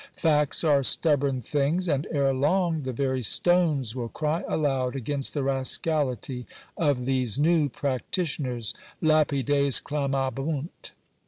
Facts are stubborn things ; and ere long the very stones will cry aloud against the rascality of these new practitioners : lapides clamabunt!